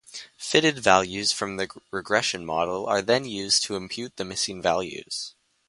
Fitted values from the regression model are then used to impute the missing values.